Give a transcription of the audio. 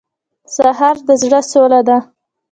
سهار د زړه سوله ده.